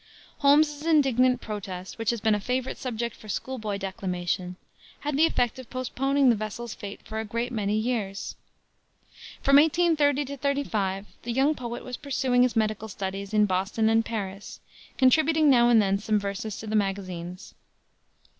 Holmes's indignant protest which has been a favorite subject for school boy declamation had the effect of postponing the vessel's fate for a great many years. From 1830 35 the young poet was pursuing his medical studies in Boston and Paris, contributing now and then some verses to the magazines.